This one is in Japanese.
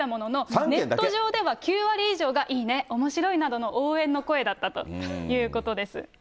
ネット上では９割以上がいいね、おもしろいなどの応援の声だったということです。